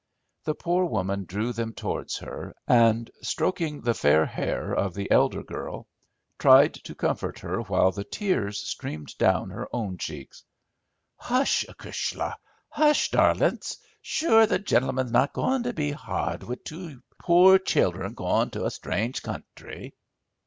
The poor woman drew them towards her, and, stroking the fair hair of the elder girl, tried to comfort her while the tears streamed down her own cheeks. "Hush, acushla; hush, darlints, shure the gentlemin's not goin' to be hard wid two poor childher going to a strange country."